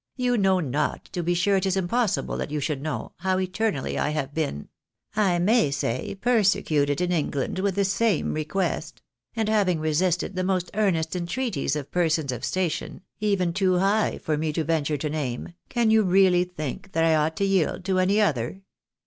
" You know not, to be sure it is impossible that you should know, how eternally I have been — may say ■— persecuted in England with the same request, and, having resisted the most earnest entreaties of persons of station even too high for me to venture to name, can you really think that I ought to yield to any other